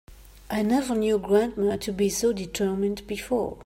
I never knew grandma to be so determined before.